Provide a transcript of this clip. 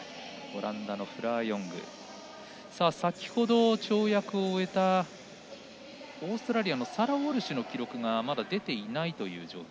先ほど跳躍を終えたオーストラリアのサラ・ウォルシュの記録がまだ出ていないという状況。